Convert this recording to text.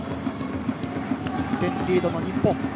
１点リードの日本。